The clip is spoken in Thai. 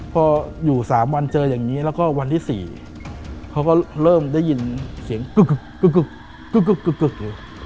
พออยู่๓วันเจออย่างนี้แล้วก็วันที่๔เขาก็เริ่มได้ยินเสียงกึ๊กเลย